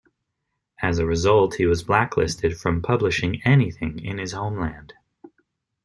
As a result, he was blacklisted from publishing anything in his homeland.